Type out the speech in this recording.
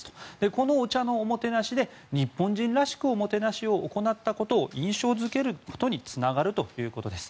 このお茶のおもてなしで日本人らしくおもてなしを行ったことを印象付けることにつながるということです。